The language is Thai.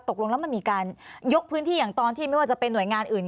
ตกลงแล้วมันมีการยกพื้นที่อย่างตอนที่ไม่ว่าจะเป็นหน่วยงานอื่น